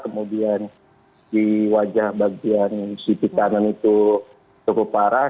kemudian di wajah bagian sisi kanan itu cukup parah